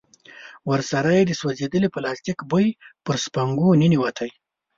ورسره يې د سوځېدلي پلاستيک بوی پر سپږمو ننوت.